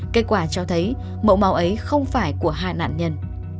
kết quả cho thấy mẫu máu ấy không phải của hai nạn nhân